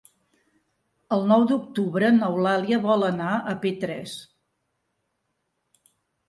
El nou d'octubre n'Eulàlia vol anar a Petrés.